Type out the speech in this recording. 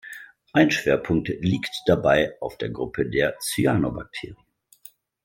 Ein Schwerpunkt liegt dabei auf der Gruppe der Cyanobakterien.